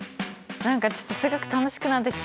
何かちょっと数学楽しくなってきた！